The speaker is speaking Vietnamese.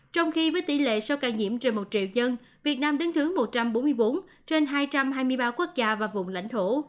trong khi với tỷ lệ số ca nhiễm trên một triệu dân việt nam đứng thứ một trăm bốn mươi bốn trên hai trăm hai mươi ba quốc gia và vùng lãnh thổ